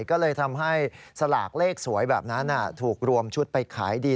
ก็เลยทำให้สลากเลขสวยแบบนั้นถูกรวมชุดไปขายดี